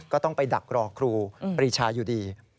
ก็ต้องไปดักรอครูปรีชาอยู่ดี